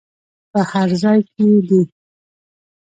په هر ځای کې دې.